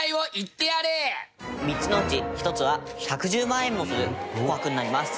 ３つのうち１つは１１０万円もする琥珀になります。